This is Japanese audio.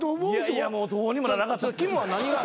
いやいやもうどうにもならなかったです。